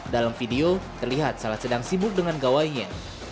dalam video terlihat salah sedang sibuk dengan gawainya